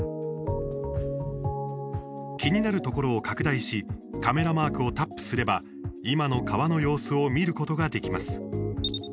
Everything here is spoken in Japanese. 気になるところを拡大しカメラマークをタップすれば今の川の様子を見ることができます。